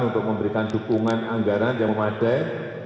untuk memberikan dukungan anggaran yang memadai